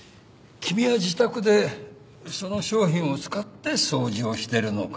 君は自宅でその商品を使って掃除をしてるのかな？